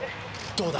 どうだ？